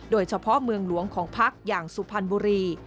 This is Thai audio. โดยเฉพาะเมืองหลวงของพักอย่างสุพรรณบุรี